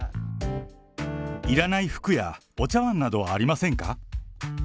いらない服やお茶わんなどはありませんか。